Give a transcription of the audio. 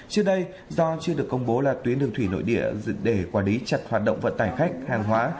trước đây do chưa được công bố là tuyến đường thủy nội địa để quản lý chặt hoạt động vận tải khách hàng hóa